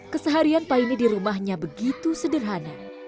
keseharian paine di rumahnya begitu sederhana